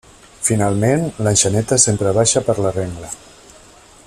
Finalment, l'enxaneta sempre baixa per la rengla.